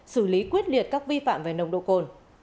xử lý quyết liệt các vi phạm về nồng độ cồn